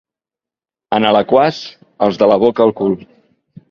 En Alaquàs, els de la boca al cul.